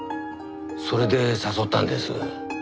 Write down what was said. それで誘ったんです。